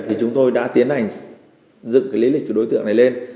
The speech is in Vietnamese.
thì chúng tôi đã tiến hành dựng cái lý lịch của đối tượng này lên